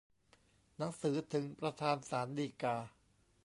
หนังสือถึงประธานศาลฎีกา